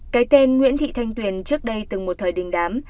cái tên nguyễn thị thanh tuyền trước đây từng một thời đình đám